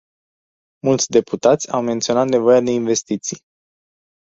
Mulți deputați au menționat nevoia de investiții.